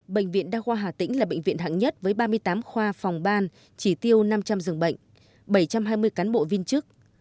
bệnh viện đa khoa hà tĩnh là bệnh viện hạng nhất với ba mươi tám khoa phòng ban chỉ tiêu năm trăm linh dường bệnh bảy trăm hai mươi cán bộ viên chức